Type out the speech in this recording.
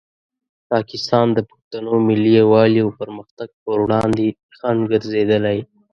پاکستان د پښتنو ملي یووالي او پرمختګ په وړاندې خنډ ګرځېدلی.